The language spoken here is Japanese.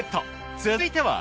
続いては。